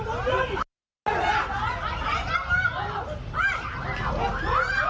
สอนล่ะหุ้ย